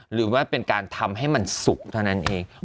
หรือว่าเป็นการทำให้มันสุกเท่านั้นเอง